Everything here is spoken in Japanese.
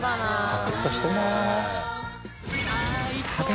サクッとしてるね。